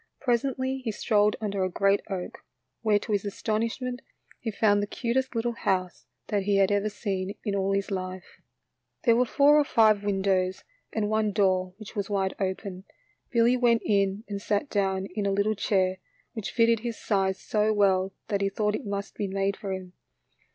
Presently he strolled under a great oak, where to his astonishment he found the cutest little house that he had ever seen in all his life. There were four or five windows and one door, which was open wide. Billy went in and sat down in a little chair w T hich fitted his size 64 THE LITTLE FORESTERS. so well that he thought it must be made for him.